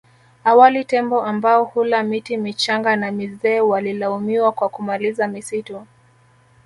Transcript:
Awali tembo ambao hula miti michanga na mizee walilaumiwa kwa kumaliza misitu